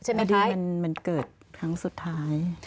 บางทีมันเกิดครั้งสุดท้าย